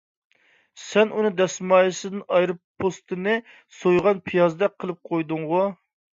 سەن ئۇنى دەسمايىسىدىن ئايرىپ، پوستىنى سويغان پىيازدەك قىلىپ قويدۇڭغۇ!